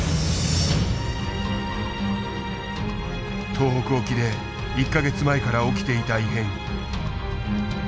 東北沖で１か月前から起きていた異変。